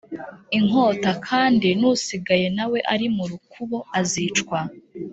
Inkota kandi n usigaye na we ari mu rukubo azicwa